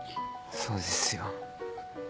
そうですよ。